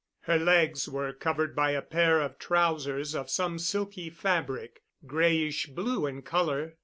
Her legs were covered by a pair of trousers of some silky fabric, grayish blue in color.